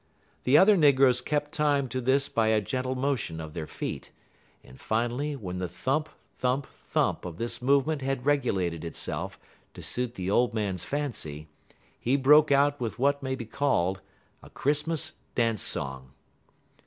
The other negroes kept time to this by a gentle motion of their feet, and finally, when the thump thump thump of this movement had regulated itself to suit the old man's fancy, he broke out with what may be called a Christmas dance song.